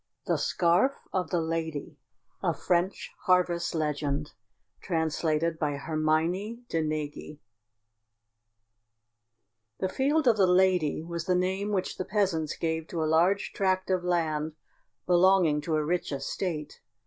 THE SCARF OF THE LADY (A French Harvest Legend) Translated by Hermine de Nagy The Field of the Lady was the name which the peasants gave to a large tract of land belonging to a rich estate.